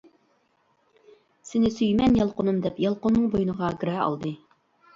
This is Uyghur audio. سىنى سۈيىمەن يالقۇنۇم دەپ يالقۇننىڭ بوينىغا گىرە ئالدى.